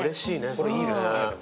これいいですね。